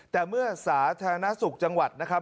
แต่เมื่อสาธารณสุขจังหวัดนะครับ